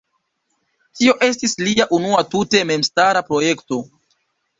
Tio estis lia unua tute memstara projekto.